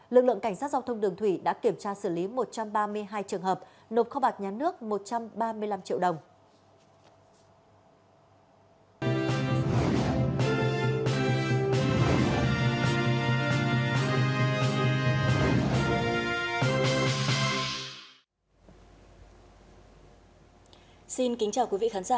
lực lượng cảnh sát giao thông đường thủy đã kiểm tra xử lý một trăm ba mươi hai trường hợp nộp kho bạc nhắn nước một trăm ba mươi năm triệu đồng